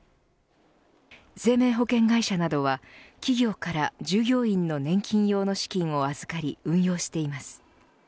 生命保険会社などは企業から従業員の年金用の資金を預かり運用しています。